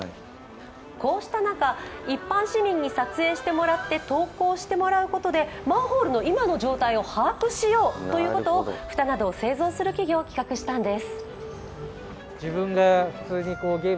こうした中、一般市民に撮影してもらって投稿してもらうことでマンホールの今の状態を把握しようということを蓋などを製造する企業が企画したんです。